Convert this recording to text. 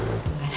udah gak ada